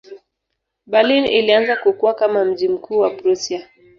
Berlin ilianza kukua kama mji mkuu wa Prussia.